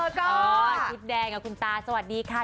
ก็ชุดแดงกับคุณตาสวัสดีค่ะ